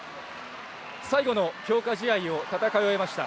最後の強化試合を戦い終えました。